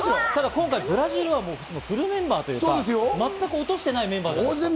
今回、ブラジルはフルメンバー、全く落としていないメンバーですね。